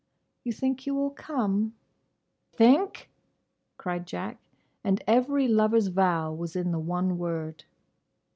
"You think you will come?" "Think!" cried Jack; and every lover's vow was in the one word.